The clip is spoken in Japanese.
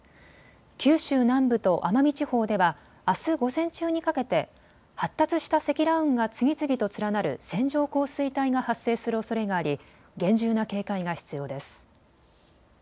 九州南部と奄美地方ではあす午前中にかけて発達した積乱雲が次々と連なる線状降水帯が発生するおそれがあり厳重な警戒が必要です。